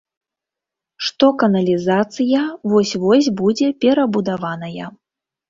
Што каналізацыя вось-вось будзе перабудаваная.